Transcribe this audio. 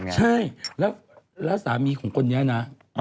ใช่แล้วสามีของคนนี้นะ